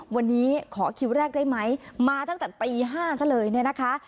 วันนี้ขอคิวแรกได้ไหมมาตั้งแต่ตี๕ซะเลยเนี่ยนะคะ